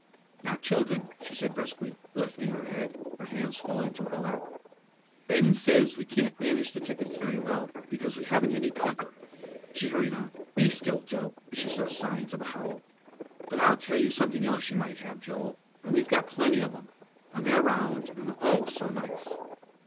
"Now, children," she said briskly, lifting her head, her hands falling to her lap, "Ben says we can't manage the tickets very well, because we haven't any paper." She hurried on, "Be still, Joe!" as she saw signs of a howl. "But I'll tell you something else you might have, Joel, and we've got plenty of 'em, and they're round, and oh, so nice!"